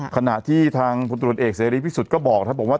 ขณะที่ทางตรวจเอกเสรียรีย์พิสุทธิ์ก็บอกครับผมว่า